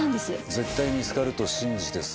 「絶対見つかると信じて探すんだよ」